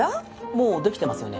もう出来てますよね？